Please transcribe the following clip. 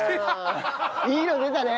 いいの出たね。